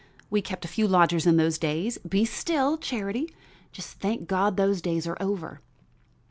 We kept a few lodgers in those days be still, Charity! Just thank God those days are over."